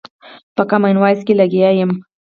په کامن وايس کښې لګيا ىمه